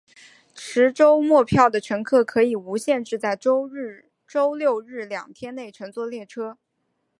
持周末票的乘客可以无限制在周六日两天内乘坐列车。